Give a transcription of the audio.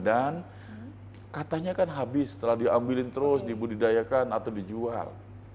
dan katanya kan habis setelah diambilin terus dibudidayakan atau dijual